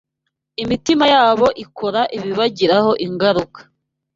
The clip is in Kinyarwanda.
imitima yabo ikora ibibagiraho ingaruka